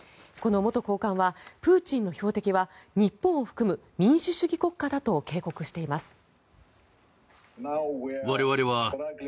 この元高官は、プーチンの標的は日本を含む民主主義国家だと警告しています。